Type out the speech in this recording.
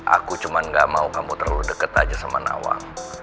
aku cuma gak mau kamu terlalu deket aja sama nawa